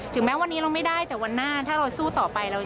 แม้วันนี้เราไม่ได้แต่วันหน้าถ้าเราสู้ต่อไป